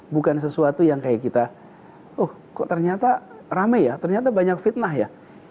bukan sesuatu yang kayak kita oh kok ternyata rame ya ternyata banyak fitnah ya